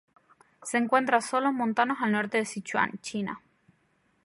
Se encuentra sólo en montanos al norte de Sichuan, China.